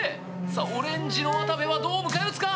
さあオレンジの渡部はどう迎え撃つか？